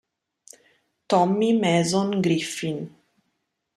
Tommy Mason-Griffin